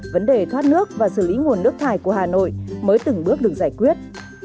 vấn đề thoát nước và xử lý nguồn nước thải của hà nội mới từng bước được giải quyết